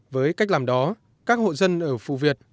với cách làm đó các hộ dân ở phù việt